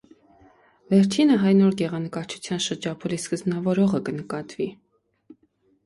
Վերջինը հայ նոր գեղանկարչութեան շրջափուլի սկզբնաւորողը կը նկատուի։